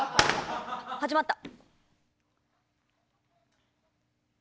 始まった。